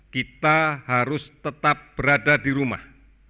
kita harus tetap berada di rumah